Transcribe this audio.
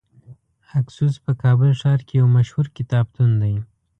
اکسوس په کابل ښار کې یو مشهور کتابتون دی .